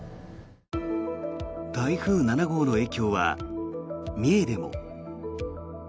台風７号の影響は三重でも。